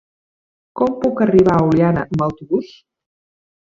Com puc arribar a Oliana amb autobús?